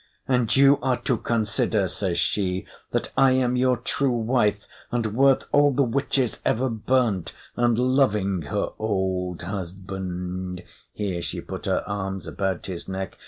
"And you are to consider," says she, "that I am your true wife and worth all the witches ever burnt, and loving her old husband" here she put her arms about his neck.